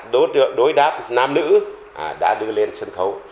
đối đáp nam nữ đã đưa lên sân khấu